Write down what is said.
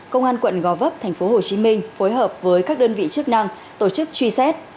công an quận gò vấp tp hcm phối hợp với các đơn vị chức năng tổ chức truy xét